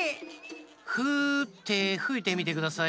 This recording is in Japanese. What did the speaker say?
フーッてふいてみてください。